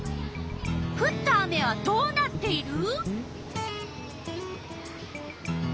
ふった雨はどうなっている？